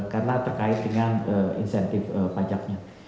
karena terkait dengan insentif pajaknya